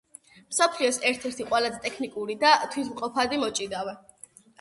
მსოფლიოს ერთ-ერთი ყველაზე ტექნიკური და თვითმყოფადი მოჭიდავე.